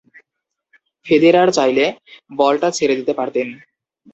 Federer চাইলে বলটা ছেড়ে দিতে পারতেন।